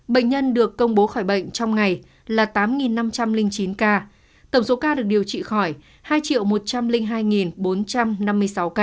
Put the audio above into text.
bệnh nhân được công bố khỏi bệnh trong ngày là tám năm trăm linh chín ca tổng số ca được điều trị khỏi hai một trăm linh hai bốn trăm năm mươi sáu ca